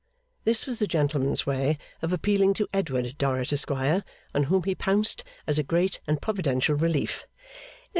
This was the gentleman's way of appealing to Edward Dorrit, Esquire, on whom he pounced as a great and providential relief.